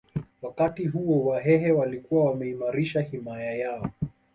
Wakati huo Wahehe walikuwa wameimarisha himaya yao